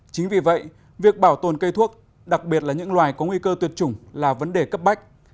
chính vì vậy việc bảo tồn cây thuốc đặc biệt là những loài có nguy cơ tuyệt chủng là vấn đề cấp bách